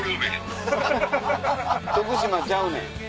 徳島ちゃうねん。